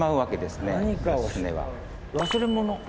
忘れ物。